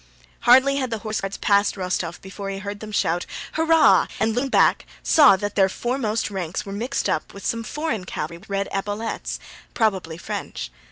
Hardly had the Horse Guards passed Rostóv before he heard them shout, "Hurrah!" and looking back saw that their foremost ranks were mixed up with some foreign cavalry with red epaulets, probably French.